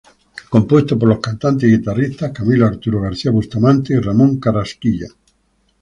Compuesto por los cantantes y guitarristas "Camilo Arturo García Bustamante" y "Ramón Carrasquilla".